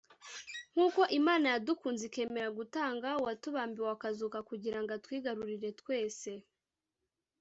nk’uko Imana yadukunze ikemera gutanga uwatubambiwe akazuka kugira ngo atwigarurire twese